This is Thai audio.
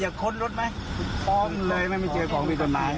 ค้นรถไหมพร้อมเลยไม่มีเจอของมีกฎหมาย